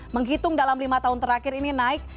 menghitung dalam lima tahun terakhir ini naik